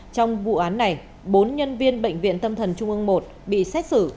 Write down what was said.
trong vụ án này bốn nhân viên bệnh viện tâm thần trung ương i bị xét xử